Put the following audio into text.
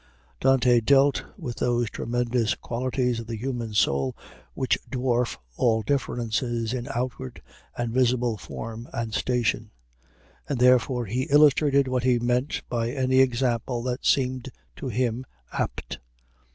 Dante dealt with those tremendous qualities of the human soul which dwarf all differences in outward and visible form and station, and therefore he illustrated what he meant by any example that seemed to him apt.